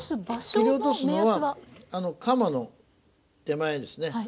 切り落とすのはカマの手前ですね